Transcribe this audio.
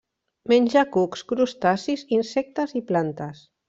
Menja cucs, crustacis, insectes i plantes.